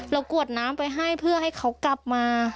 กวดน้ำไปให้เพื่อให้เขากลับมา